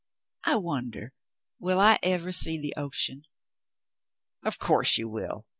I wonder will I ever see the ocean." "Of course you will.